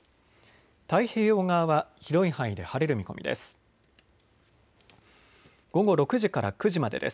太平洋側は広い範囲で晴れる見込みです。